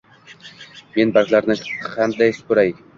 - Men barglarni qanday supuray?